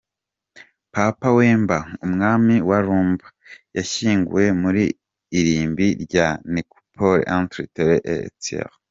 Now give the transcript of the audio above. Papa Wemba ‘umwami wa Rumba’ yashyinguwe mu irimbi rya Necropole Entre Terre et Ciel.